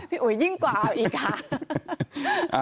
พี่อุ๋ยยิ่งกว่าแล้วอีกค่ะ